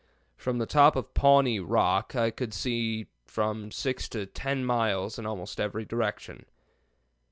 From the top of Pawnee Rock I could see from 6 to 10 miles in almost every direction.